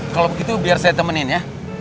kalau begitu biar saya temenin ya